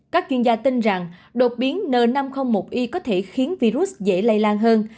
các chuyên gia tin rằng đột biến n năm trăm linh một i có thể khiến virus dễ lây lan hơn